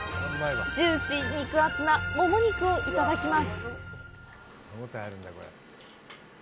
ジューシー肉厚なもも肉をいただきます。